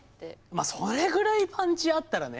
まあ、それぐらいパンチあったらね。